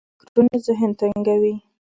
بدرنګه فکرونه ذهن تنګوي